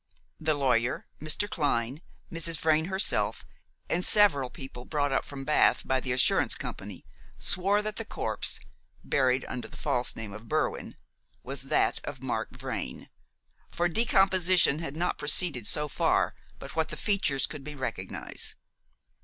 The lawyer, Mr. Clyne, Mrs. Vrain herself, and several people brought up from Bath by the assurance company, swore that the corpse buried under the false name of Berwin was that of Mark Vrain, for decomposition had not proceeded so far but what the features could be recognised.